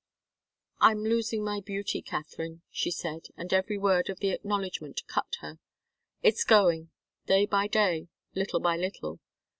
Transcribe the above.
"I'm losing my beauty, Katharine," she said, and every word of the acknowledgment cut her. "It's going, day by day, little by little.